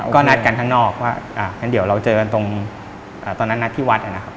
ก็นัดกันข้างนอกว่างั้นเดี๋ยวเราเจอกันตรงตอนนั้นนัดที่วัดนะครับ